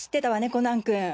コナン君。